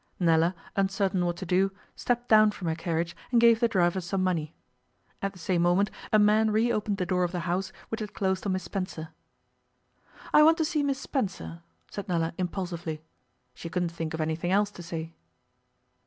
Nella, uncertain what to do, stepped down from her carriage and gave the driver some money. At the same moment a man reopened the door of the house, which had closed on Miss Spencer. 'I want to see Miss Spencer,' said Nella impulsively. She couldn't think of anything else to say.